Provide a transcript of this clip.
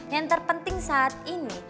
yang terpenting saat ini